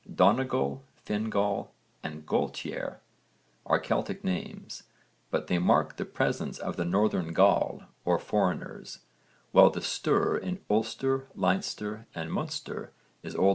Donegal, Fingall and Gaultiere are Celtic names, but they mark the presence of the northern Gall or foreigners, while the ster in Ulster, Leinster and Munster is O.N.